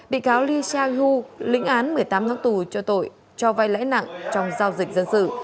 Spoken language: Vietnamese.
bị cáo lee sa hu lĩnh án một mươi tám tháng tù cho tội cho vai lãi nặng trong giao dịch dân sự